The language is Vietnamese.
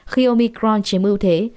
khi omicron chiếm ưu thế